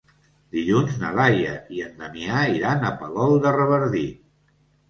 Dilluns na Laia i en Damià iran a Palol de Revardit.